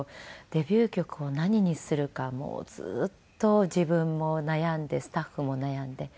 デビュー曲を何にするかもうずっと自分も悩んでスタッフも悩んで。